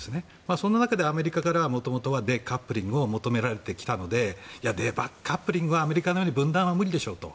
そんな中でアメリカからもともとデカップリングを求められてきたのでデカップリングで分断は無理でしょうと。